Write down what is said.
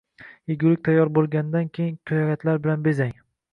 Yegulik tayyor bo‘lganidan keyin ko‘katlar bilan bezang